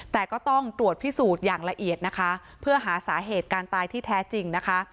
แต่ก็ต้องตรวจพิสูจน์อย่างละเอียดนะคะเพื่อหาสาเหตุการตายที่แท้จริงนะคะ